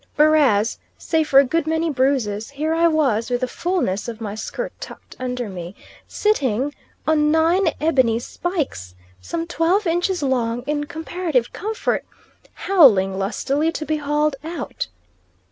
Whereas, save for a good many bruises, here I was with the fulness of my skirt tucked under me, sitting on nine ebony spikes some twelve inches long, in comparative comfort, howling lustily to be hauled out.